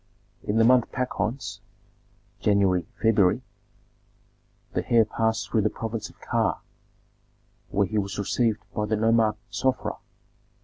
In the month Pachons (January, February) the heir passed through the province of Ka, where he was received by the nomarch Sofra.